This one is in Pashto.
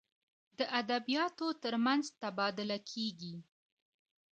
د ادبیاتو تر منځ تبادله کیږي.